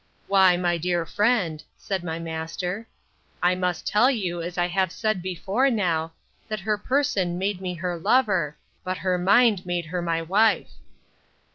Why, my dear friend, said my master, I must tell you, as I have said before now, that her person made me her lover, but her mind made her my wife.